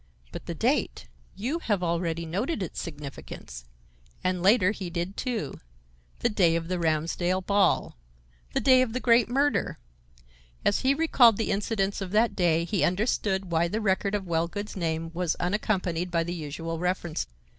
But the date! You have already noted its significance, and later he did, too. The day of the Ramsdell ball! The day of the great murder! As he recalled the incidents of that day he understood why the record of Wellgood's name was unaccompanied by the usual reference.